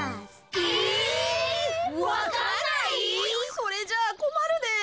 それじゃあこまるで。